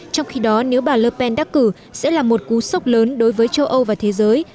trong khi đó nếu bà ler pen đắc cử sẽ là một cú sốc lớn đối với châu âu và thế giới